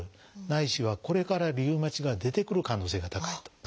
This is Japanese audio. ないしはこれからリウマチが出てくる可能性が高いと。